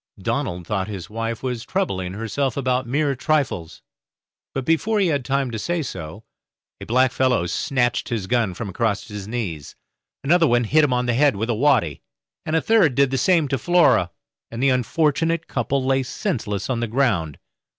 Donald thought his wife was troubling herself about mere trifles, but before he had time to say so, a blackfellow snatched his gun from across his knees, another hit him on the head with a waddy, and a third did the same to Flora and the unfortunate couple lay senseless on the ground.